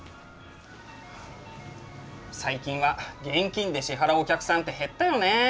最近は現金で支払うお客さんって減ったよね。